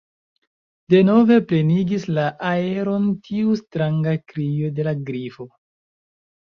Denove plenigis la aeron tiu stranga krio de la Grifo.